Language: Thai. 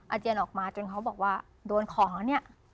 เจียนออกมาจนเขาบอกว่าโดนของแล้วเนี่ย